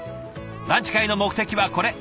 ランチ会の目的はこれ！